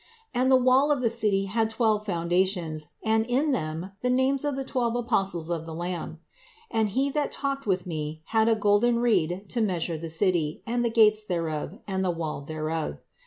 And the wall of the city had twelve foundations, and in them the names of the twelve apostles of the Lamb. And he that talked with me had a golden reed to measure the city, and the gates thereof, and the wall thereof.